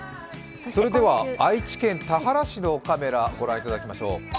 愛知県田原市のカメラをご覧いただきましょう。